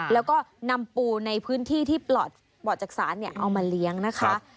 แล้วก็นำปูในพื้นที่ที่ปลอดจักษานเอามาเลี้ยงนะคะ